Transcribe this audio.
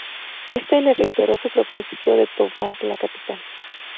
Este le reiteró su propósito de tomar la capital.